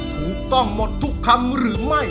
ถูกต้องหมดทุกคำหรือไม่